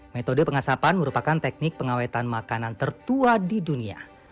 metode pengasapan merupakan teknik pengawetan makanan tertua di dunia